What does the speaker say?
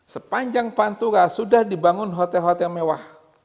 sepanjang pantura sudah dibangun hotel hotel mewah